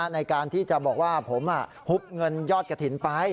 ในการที่จะบอกว่าผมหุบเงินยอดกระถิ่นไป